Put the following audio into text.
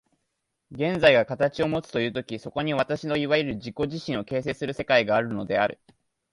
現在が形をもつという時、そこに私のいわゆる自己自身を形成する世界があるのである。